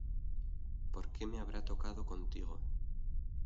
¡ Por qué me habrá tocado contigo!